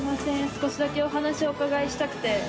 少しだけお話お伺いしたくて。